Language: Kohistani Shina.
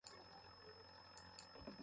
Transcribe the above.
موْڑ ایْل او گُوم دہ۔